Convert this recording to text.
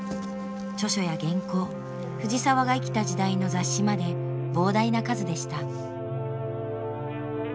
著書や原稿藤澤が生きた時代の雑誌まで膨大な数でした。